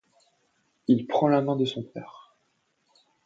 Il prend la main de son père.